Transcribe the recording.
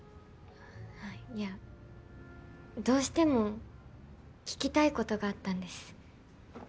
あっいやどうしても聞きたいことがあったんです。